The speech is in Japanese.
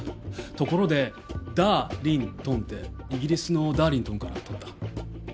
ところでダーリントンってイギリスのダーリントンから取った？